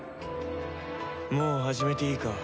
もう始めていいか？